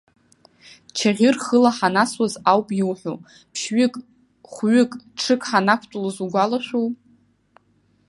Чаӷьыр хыла ҳанасуаз ауп иуҳәо, ԥшьҩык, хәҩык, ҽык ҳанақәтәалоз угәалашәоу?